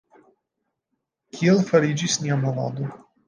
Kiel fariĝis nia movado?